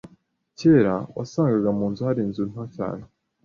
Kera, wasangaga mu nzu hari inzu nto cyane.